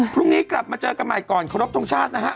พรุ่งนี้กลับมาเจอกันใหม่ก่อนขอรบทรงชาตินะฮะ